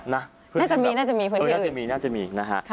น่าจะมีน่าจะมีน่าจะมี